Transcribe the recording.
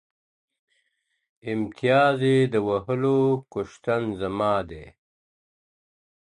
امتياز يې د وهلو کُشتن زما دی.